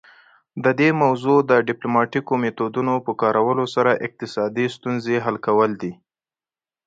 د دې موضوع د ډیپلوماتیکو میتودونو په کارولو سره اقتصادي ستونزې حل کول دي